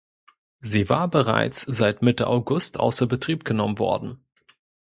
Sie war bereits seit Mitte August außer Betrieb genommen worden.